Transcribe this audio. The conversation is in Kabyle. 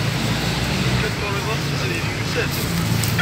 Lukan turid-as ad yili yusa-d.